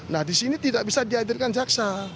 nah disini tidak bisa dihadirkan jaksa